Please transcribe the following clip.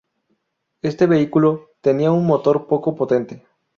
Este vehículo tenía un motor poco potente.